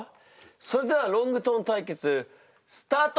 それではロングトーン対決スタート！